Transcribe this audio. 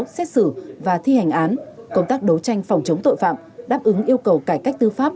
xét xử và thi hành án công tác đấu tranh phòng chống tội phạm đáp ứng yêu cầu cải cách tư pháp